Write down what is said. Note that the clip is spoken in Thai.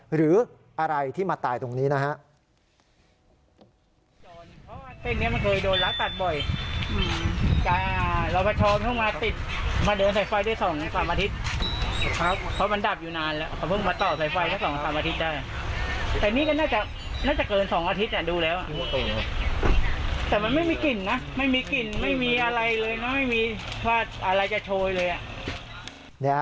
หรืออะไรที่มาตายตรงนี้นะฮะ